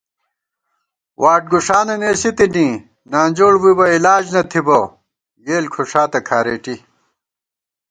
واٹ گُݭانہ نېسِی تِنی نانجوڑ بُوئی بہ علاج نہ تھِبہ یېل کھُݭاتہ کھارېٹی